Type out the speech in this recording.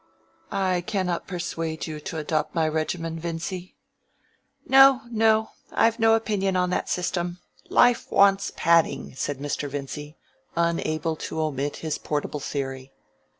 "I cannot persuade you to adopt my regimen, Vincy?" "No, no; I've no opinion of that system. Life wants padding," said Mr. Vincy, unable to omit his portable theory.